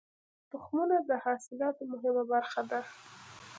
تخمونه د حاصلاتو مهمه برخه ده.